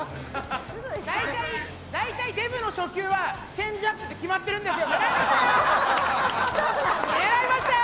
大体、デブの初球はチェンジアップって決まってるんですよ。